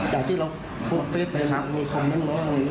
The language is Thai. แต่ที่เราพูดเฟสไปครับมีความรู้